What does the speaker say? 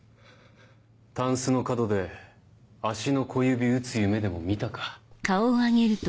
たんすの角で足の小指打つ夢でも見たか？